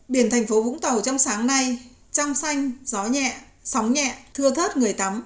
biển thành phố vũng tàu trong sáng nay trong xanh gió nhẹ sóng nhẹ thưa thớt người tắm